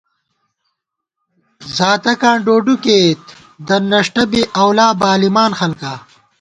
زاتَکاں ڈوڈُو کېئیت دن نݭٹہ بی اَولا بالِمان خلکا